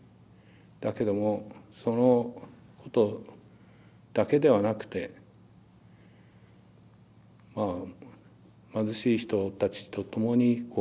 だけどもそのことだけではなくて貧しい人たちとともにこう生きてる。